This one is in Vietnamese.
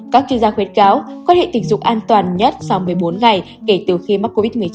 các chuyên gia khuyến cáo quan hệ tình dục an toàn nhất sau một mươi bốn ngày kể từ khi mắc covid một mươi chín